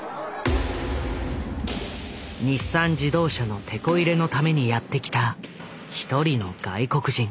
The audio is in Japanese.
日産自動車のテコ入れのためにやって来た一人の外国人。